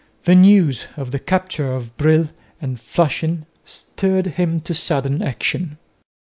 The news of the capture of Brill and Flushing stirred him to sudden action.